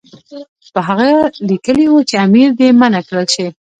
په هغه کې لیکلي وو چې امیر دې منع کړل شي.